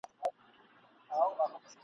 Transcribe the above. ستا د وعدې په توره شپه کي مرمه ..